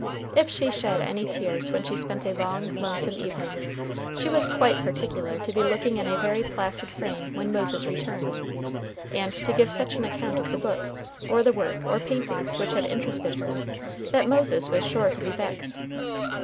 If she shed any tears when she spent a long, lonesome evening, she was quite particular to be looking in a very placid frame when Moses returned, and to give such an account of the books, or the work, or paintings which had interested her, that Moses was sure to be vexed.